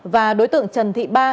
và đối tượng trần thị ba